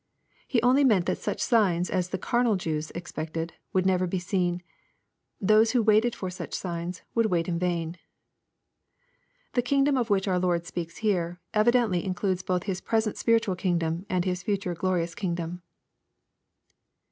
He only meant that such signs as the carnal Jews expected, would never be seen. Those who waited for such signs would wait in vain. The kingdom of which our Lord speaks here, evidently includes both His present spiritual kingdom and His future glorious king dom.